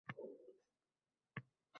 Aqlsiz bosh - oyoqning sho’ri.